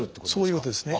そういうことですね。